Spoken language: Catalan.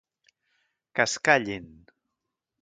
Que es callin.